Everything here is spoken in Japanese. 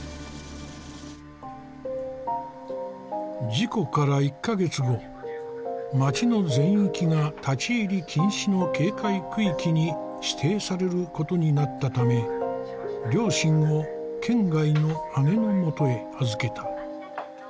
事故から１か月後町の全域が立ち入り禁止の警戒区域に指定されることになったため両親を県外の姉のもとへ預けた。